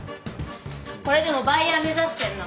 これでもバイヤー目指してんの。